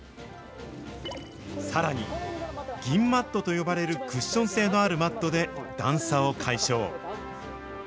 さらに、銀マットと呼ばれるクッション性のあるマットで段差を解消。